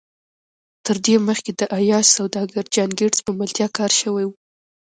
تر دې مخکې د عياش سوداګر جان ګيټس په ملتيا کار شوی و.